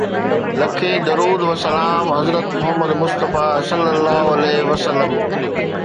لکين درود و سلام حضرت محمد مصطفيٰ صلي الله عليه وسلم.